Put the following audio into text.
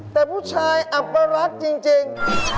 แต่ผู้ชายอัปรักษ์จริง